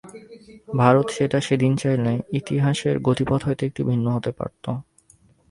ভারত সেটা সেদিন চাইলে ইতিহাসের গতিপথ হয়তো একটু ভিন্ন হতে পারত।